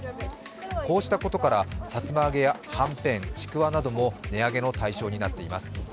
こうしたことからさつま揚げやはんぺん、ちくわなども値上げの対象になっています。